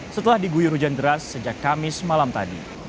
setelah diguyur hujan deras sejak kamis malam tadi